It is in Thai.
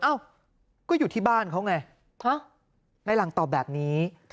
เอ้าก็อยู่ที่บ้านเขาไงในหลังตอบแบบนี้